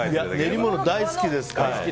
練り物大好きですから。